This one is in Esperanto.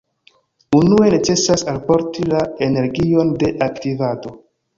Unue necesas alporti la energion de aktivado.